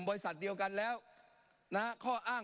ปรับไปเท่าไหร่ทราบไหมครับ